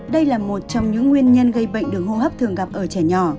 đây là một trong những nguyên nhân gây bệnh đường hô hấp thường gặp ở trẻ nhỏ